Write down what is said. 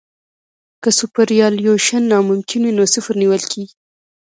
که سوپرایلیویشن ناممکن وي نو صفر نیول کیږي